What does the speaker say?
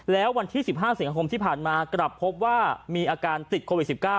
แล้ววันที่๑๕สิงหาคมที่ผ่านมากลับพบว่ามีอาการติดโควิด๑๙